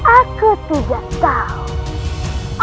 aku tidak tahu